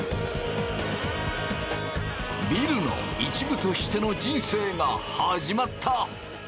ビルの一部としての人生が始まった。